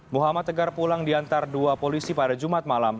muhammad tegar pulang diantar dua polisi pada jumat malam